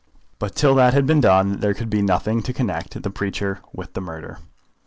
But till that had been done, there could be nothing to connect the preacher with the murder.